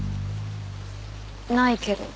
ないけど。